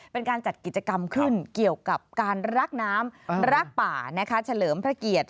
เป็นการจัดกิจกรรมขึ้นเกี่ยวกับการรักน้ำรักป่านะคะเฉลิมพระเกียรติ